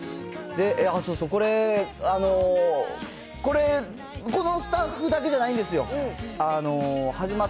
そうそう、これ、これ、このスタッフだけじゃないんですよ。